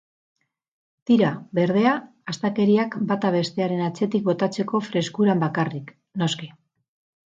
Tira, berdea, astakeriak bata bestearen atzetik botatzeko freskuran bakarrik, noski.